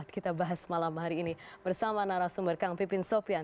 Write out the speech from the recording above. kita bahas malam hari ini bersama narasumber kang pipin sopian